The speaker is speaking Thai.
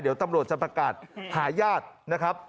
เดี๋ยวตำรวจจะประกาศหาญาตินะครับ